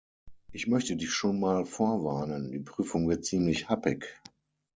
Ich möchte dich schon mal vorwarnen: die Prüfung wird ziemlich happig.